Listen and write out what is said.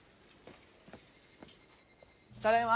ただいま。